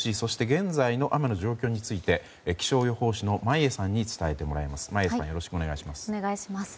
現在の雨の状況について気象予報士の眞家さんに伝えてもらいます。